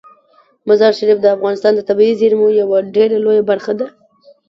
مزارشریف د افغانستان د طبیعي زیرمو یوه ډیره لویه برخه ده.